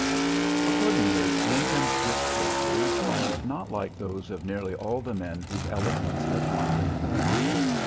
Accordingly Lincoln's discourses are not like those of nearly all the men whose eloquence has won them fame.